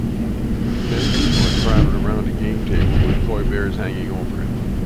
Many people are crowded around a game table with toy bears hanging over it.